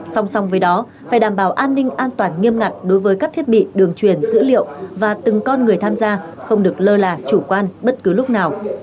song song với đó phải đảm bảo an ninh an toàn nghiêm ngặt đối với các thiết bị đường truyền dữ liệu và từng con người tham gia không được lơ là chủ quan bất cứ lúc nào